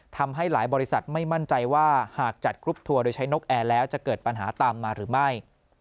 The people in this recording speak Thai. ทำให้หลายบริษัทไม่มั่นใจว่าหากจัดกรุ๊ปทัวร์โดยใช้นกแอร์แล้วจะเกิดปัญหาตามมาหรือไม่